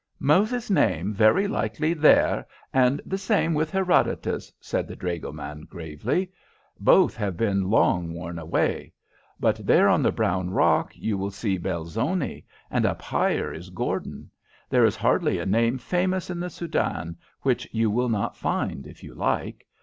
"Moses's name very likely there, and the same with Herodotus," said the dragoman, gravely. "Both have been long worn away. But there on the brown rock you will see Belzoni. And up higher is Gordon. There is hardly a name famous in the Soudan which you will not find, if you like.